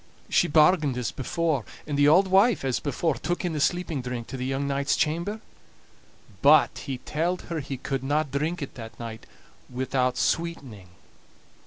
She bargained as before; and the auld wife, as before, took in the sleeping drink to the young knight's chamber; but he telled her he couldna drink it that night without sweetening.